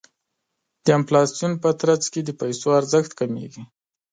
د انفلاسیون په ترڅ کې د پیسو ارزښت کمیږي.